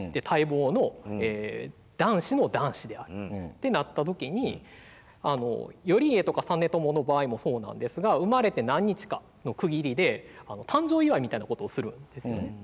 待望の男子の男子であるってなった時に頼家とか実朝の場合もそうなんですが生まれて何日かの区切りで誕生祝いみたいなことをするんですよね。